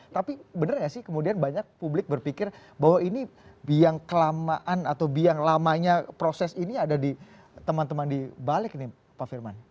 tapi bener gak sih kemudian banyak publik berpikir bahwa ini biang kelamaan atau biang lamanya proses ini ada di teman teman di balik nih pak firman